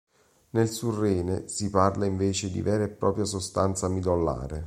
Nel surrene si parla invece di vera e propria sostanza midollare.